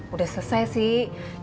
udah selesai sih